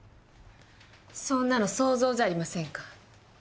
そんなの想像じゃありませんか。